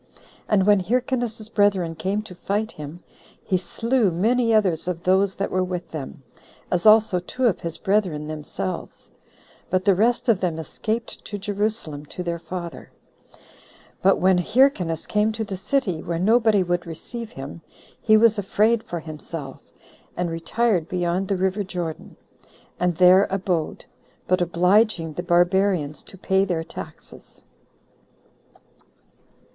And when Hyrcanus's brethren came to fight him, he slew many others of those that were with them, as also two of his brethren themselves; but the rest of them escaped to Jerusalem to their father. But when Hyrcanus came to the city, where nobody would receive him, he was afraid for himself, and retired beyond the river Jordan, and there abode, but obliging the barbarians to pay their taxes.